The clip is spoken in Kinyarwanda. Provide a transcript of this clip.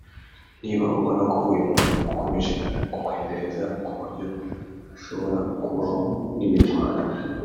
Niba ubona ko uyu muntu akomeje kukwendereza ku buryo hashobora kubaho n’imirwano